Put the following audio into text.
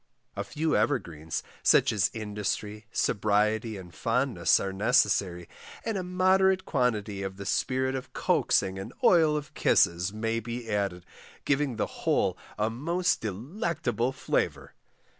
A few evergreens, such as industry, sobriety, and fondness, are necessary, and a moderate quantity of the spirit of coaxing and oil of kisses may be added, giving the whole a most delectable flavour.